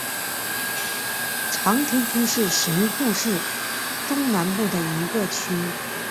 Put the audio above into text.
长田区是神户市中南部的一区。